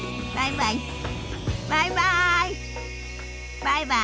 バイバイ。